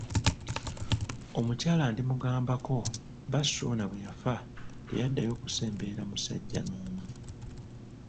Omukyala Ndimugambako, bba Ssuuna bwe yafa, teyaddayo kusembererwa musajja n'omu.